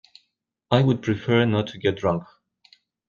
I would prefer not to get drunk.